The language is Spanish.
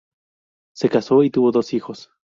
Se casó y tuvo dos hijos.